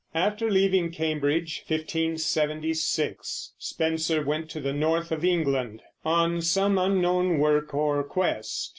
After leaving Cambridge (1576) Spenser went to the north of England, on some unknown work or quest.